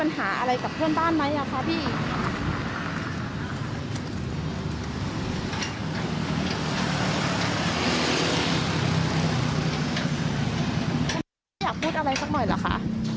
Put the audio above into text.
อยากพูดอะไรสักหน่อยเหรอคะ